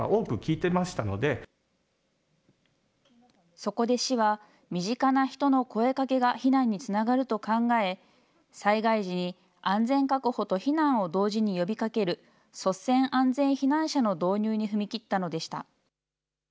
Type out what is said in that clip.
そこで市は、身近な人の声かけが避難につながると考え、災害時に安全確保と避難を同時に呼びかける、率先安全避難者の導入に踏み切ったのでした。